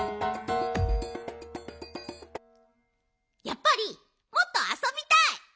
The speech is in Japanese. やっぱりもっとあそびたい！